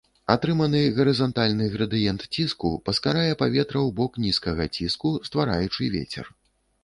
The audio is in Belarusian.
Атрыманы гарызантальны градыент ціску паскарае паветра ў бок нізкага ціску, ствараючы вецер.